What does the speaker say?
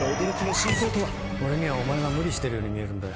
俺にはお前が無理してるように見えるんだよ。